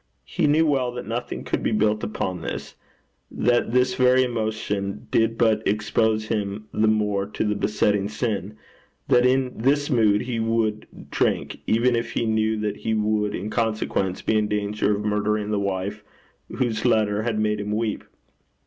He knew well that nothing could be built upon this; that this very emotion did but expose him the more to the besetting sin; that in this mood he would drink, even if he knew that he would in consequence be in danger of murdering the wife whose letter had made him weep.